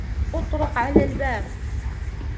أطرق على الباب.